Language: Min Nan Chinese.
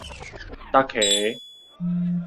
觸㧎